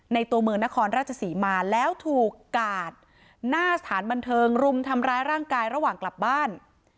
ตัวเมืองนครราชศรีมาแล้วถูกกาดหน้าสถานบันเทิงรุมทำร้ายร่างกายระหว่างกลับบ้าน